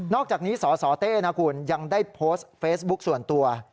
อกจากนี้สสเต้นะคุณยังได้โพสต์เฟซบุ๊คส่วนตัว